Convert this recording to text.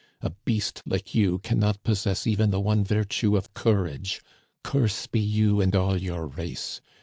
A beast like you can not possess even the one virtue of courage. Curse be you and all your race!